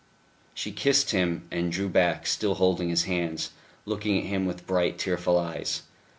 She kissed him, and drew back, still holding his hands, looking at him with bright tearful eyes.